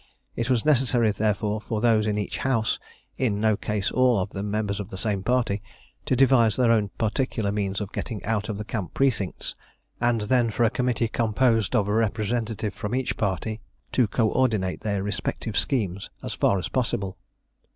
It was necessary, therefore, for those in each house in no case all of them members of the same party to devise their own particular means of getting out of the camp precincts, and then for a committee composed of a representative from each party to co ordinate their respective schemes as far as possible.